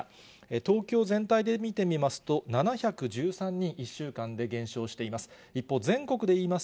東京全体で見てみますと、７１３人、１週間で減少しています。